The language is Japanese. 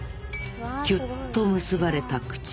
キュッと結ばれた口。